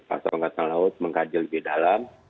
pasang dasar laut menghajar lebih dalam